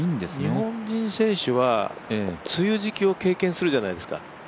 日本選手は梅雨時期を経験するじゃないですか、